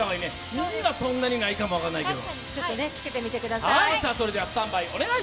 耳はそんなにないかも分かんないけど。